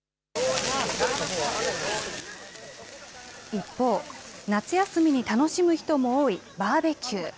一方、夏休みに楽しむ人も多いバーベキュー。